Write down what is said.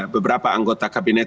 beberapa anggota kabinet